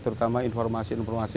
terutama informasi informatif